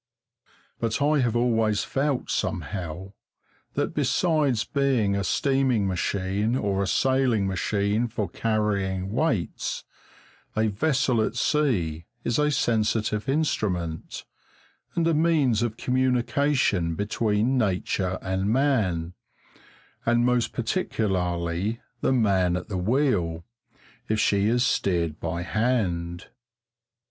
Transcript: But I have always felt somehow that besides being a steaming machine or a sailing machine for carrying weights, a vessel at sea is a sensitive instrument, and a means of communication between nature and man, and most particularly the man at the wheel, if she is steered by hand.